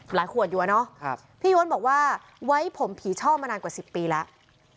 ขวดอยู่อะเนาะพี่ย้วนบอกว่าไว้ผมผีช่อมานานกว่า๑๐ปีแล้ว